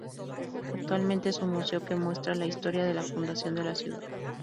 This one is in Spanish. Actualmente es un museo que muestra la historia de la fundación de la ciudad.